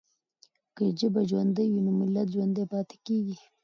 که ژبه ژوندۍ وي نو ملت ژوندی پاتې کېږي.